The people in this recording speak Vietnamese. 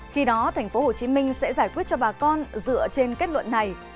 khi đó tp hcm sẽ giải quyết cho bà con dựa trên kết luận này